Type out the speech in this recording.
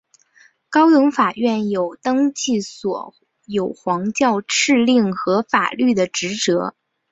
高等法院有登记所有皇家敕令和法律的职责。